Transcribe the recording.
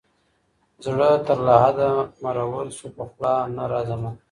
زړه تر لحده مرور سو پخلا نه راځمه